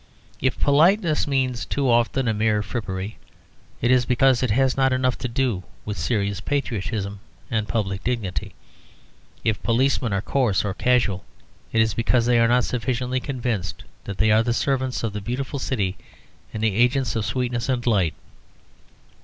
If politeness means too often a mere frippery, it is because it has not enough to do with serious patriotism and public dignity; if policemen are coarse or casual, it is because they are not sufficiently convinced that they are the servants of the beautiful city and the agents of sweetness and light.